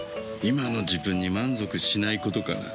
今の自分に満足しないことかな。